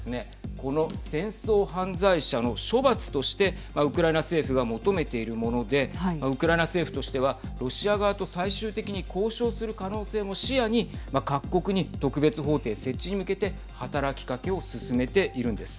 この、戦争犯罪者の処罰としてウクライナ政府が求めているものでウクライナ政府としてはロシア側と最終的に交渉する可能性も視野に各国に特別法廷設置に向けて働きかけを進めているんです。